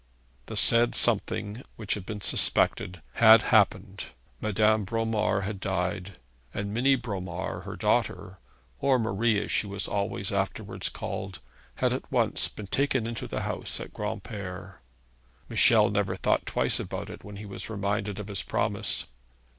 The said 'something' which had been suspected had happened. Madame Bromar had died, and Minnie Bromar her daughter or Marie as she was always afterwards called had at once been taken into the house at Granpere. Michel never thought twice about it when he was reminded of his promise.